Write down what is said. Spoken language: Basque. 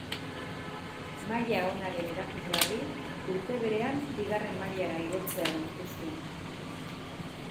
Maila onaren erakusgarri, urte berean Bigarren mailara igotzea lortu zuen.